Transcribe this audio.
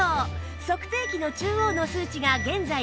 測定器の中央の数値が現在の紫外線量